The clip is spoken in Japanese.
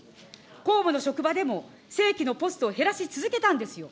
公務の職場でも、正規のポストを減らし続けたんですよ。